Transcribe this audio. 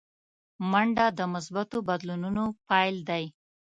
منډه د مثبتو بدلونونو پیل دی